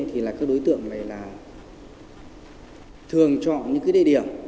thì đối tượng này thường chọn những địa điểm